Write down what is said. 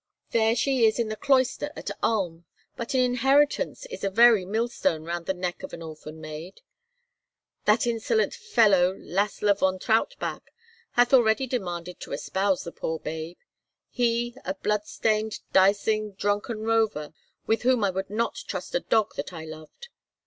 There she is in the cloister at Ulm, but an inheritance is a very mill stone round the neck of an orphan maid. That insolent fellow, Lassla von Trautbach, hath already demanded to espouse the poor babe; he—a blood stained, dicing, drunken rover, with whom I would not trust a dog that I loved!